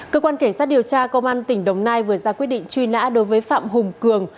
cơ quan cảnh sát điều tra công an tỉnh đồng nai vừa ra quyết định truy nã đối với phạm hùng cường